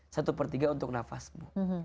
satu per tiga untuk nafasmu